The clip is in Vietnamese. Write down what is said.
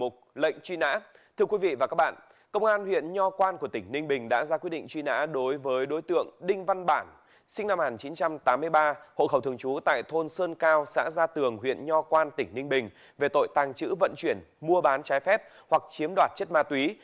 thưa quý vị và các bạn công an huyện nho quan của tỉnh ninh bình đã ra quyết định truy nã đối với đối tượng đinh văn bản sinh năm một nghìn chín trăm tám mươi ba hộ khẩu thường trú tại thôn sơn cao xã gia tường huyện nho quan tỉnh ninh bình về tội tàng trữ vận chuyển mua bán trái phép hoặc chiếm đoạt chất ma túy